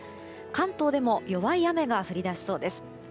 関東でも弱い雨が降り出しそうです。